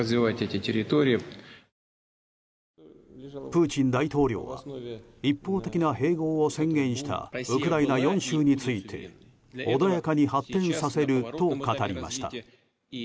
プーチン大統領は一方的な併合を宣言したウクライナ４州について穏やかに発展させると語りました。